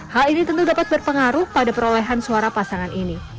hal ini tentu dapat berpengaruh pada perolehan suara pasangan ini